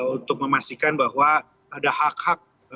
untuk memastikan bahwa ada hak hak